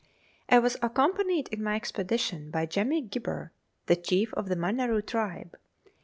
I was accompanied in my expedition by Jemmy Gibber, the chief of the Maneroo tribe.